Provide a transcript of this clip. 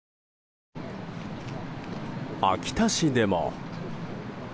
秋田市でも。